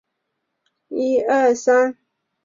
转化兴趣为专业